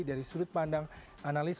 dari sudut pandang analis